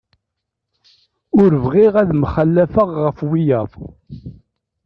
Ur bɣiɣ ad mxalafeɣ ɣef wiyaḍ.